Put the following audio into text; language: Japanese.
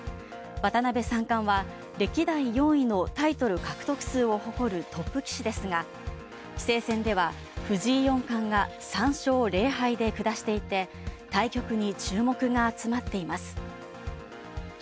渡辺三冠は歴代４位のタイトル獲得数を誇るトップ棋士ですが棋聖戦では藤井四冠が３勝０敗で下しており、対局に注目が集まっています。